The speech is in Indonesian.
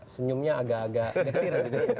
senyumnya agak agak getir